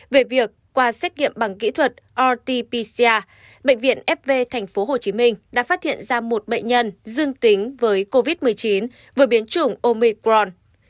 về việc qua xét nghiệm bằng kỹ thuật rt pcr bệnh viện fv tp hcm đã phát hiện ra một bệnh nhân dương tính với covid một mươi chín vừa biến chủng omicron